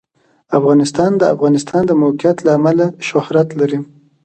افغانستان د د افغانستان د موقعیت له امله شهرت لري.